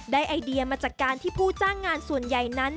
ไอเดียมาจากการที่ผู้จ้างงานส่วนใหญ่นั้น